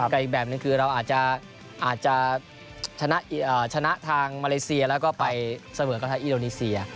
อีกแบบหนึ่งคือเราอาจจะชนะทางมาเลเซียแล้วก็ไปเสมอกับทางอินโดนีเซีย